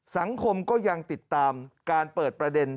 สังคมก็ยังติดตามการเปิดประเด็น